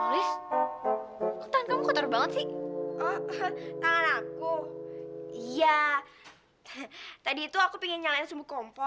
lihat dia udah jadi anak yang baik